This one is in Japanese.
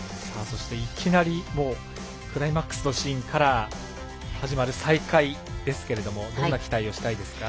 いきなりクライマックスのシーンから始まる再開ですけれどもどんな期待をしたいですか？